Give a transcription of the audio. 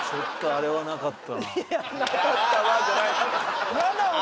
あれはなかった？